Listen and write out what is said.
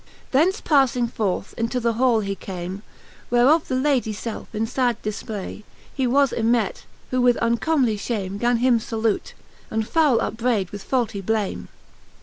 . Thence paffing forth, into the hall he came, Where of the Lady ielfe in iad difmay He was ymett, who with uncomely fliame Gan him lalute, and fowle upbrayd with faulty blame